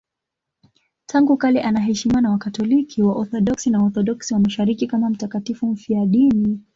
Tangu kale anaheshimiwa na Wakatoliki, Waorthodoksi na Waorthodoksi wa Mashariki kama mtakatifu mfiadini.